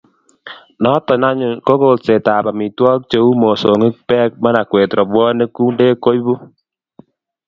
Noto anyun ko kolsetab amitwogik cheu mosongik Bek marakwet robwonik kundek koibu